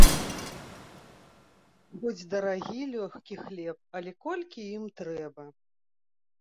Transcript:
Хоць дарагі лёгкі хлеб, але колькі ім трэба.